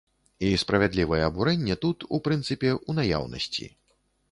І справядлівае абурэнне тут, у прынцыпе, у наяўнасці.